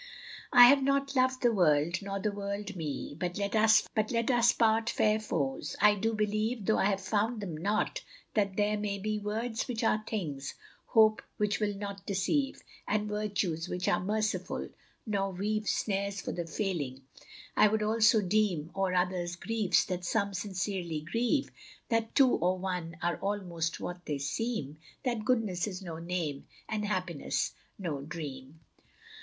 I have not loved the world, nor the world me, But let us part fair foes. I do believe, Though I have found them not, that there may be Words which are things, hopes which will not deceive, And virtues which are merciful, nor weave Snares for the failing: I would also deem O'er others' griefs that some sincerely grieve; That two, or one, are almost what they seem, That goodness is no name, and happiness no dream.